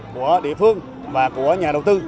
của địa phương và của nhà đầu tư